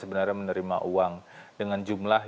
sebenarnya menerima uang dengan jumlah